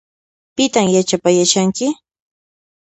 Pitan yachapayashanki?